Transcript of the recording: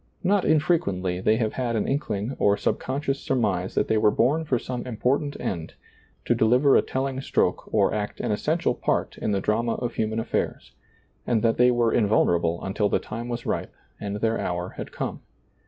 Not infrequently they have had an inkling or subconscious surmise that they were bom for some important end, to deliver a telling stroke or act an es sential part in the drama of human atilairs, and that they were invulnerable until the time was ripe and their hour had come.